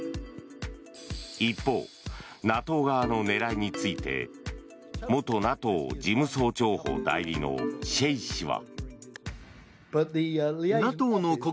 一方、ＮＡＴＯ側の狙いについて元ＮＡＴＯ事務総長補代理のシェイ氏は。